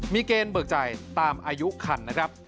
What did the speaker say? มีเกณฑ์เบิกจ่ายตามอายุคันนะครับ